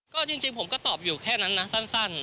ก็จริงผมก็ตอบอยู่แค่นั้นนะสั้น